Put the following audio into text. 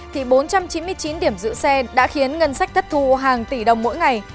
thì bốn trăm chín mươi chín điểm giữ xe đã khiến ngân sách thất thu hàng tỷ đồng mỗi ngày